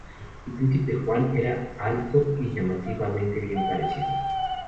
El Príncipe Juan era alto y llamativamente bien parecido.